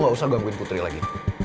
gak usah gangguin putri lagi